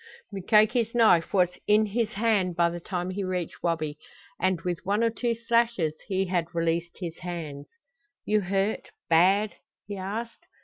Mukoki's knife was in his hand by the time he reached Wabi, and with one or two slashes he had released his hands. "You hurt bad?" he asked.